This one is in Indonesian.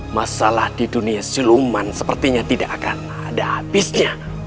masalah di dunia siluman sepertinya tidak akan ada habisnya